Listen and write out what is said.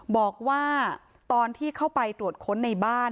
บอกว่าตอนที่เข้าไปตรวจความสุขของผู้เสียชีวิต